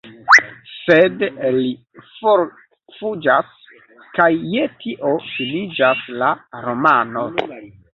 Sed li forfuĝas, kaj je tio finiĝas la romano.